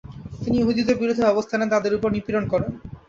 তিনি ইহুদিদের বিরুদ্ধে ব্যবস্থা নেন তাদের ওপর নিপীড়ন করেন।